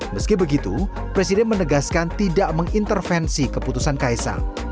meski begitu presiden menegaskan tidak mengintervensi keputusan kaisang